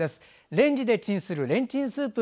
レンジでチンするレンチンスープ。